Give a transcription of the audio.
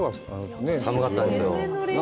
寒かったですよ。